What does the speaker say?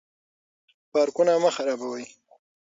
پارکونه مه خرابوئ.